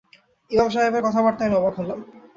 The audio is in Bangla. ইমাম সাহেবের কথাবার্তায় আমি অবাক হলাম।